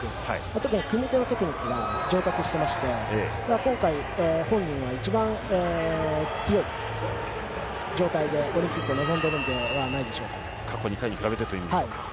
特に組手のテクニックが上達してまして今回、本人が一番強い状態でオリンピックに臨んでいるので過去２回に比べてということですか？